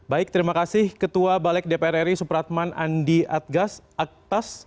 baik terima kasih ketua balik dpr ri supratman andi adgas aktas